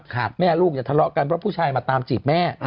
หากแม่ลูกจะทะเลาะกันเพราะว่าผู้ชายมาตามจีบแม่